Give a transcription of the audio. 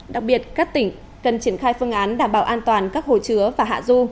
đặc biệt các tỉnh cần triển khai phương án đảm bảo an toàn các hồ chứa và hạ du